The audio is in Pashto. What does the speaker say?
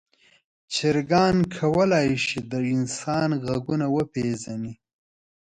چرګان کولی شي د انسان غږونه وپیژني.